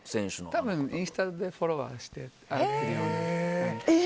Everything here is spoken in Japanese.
多分、インスタでフォローしているので。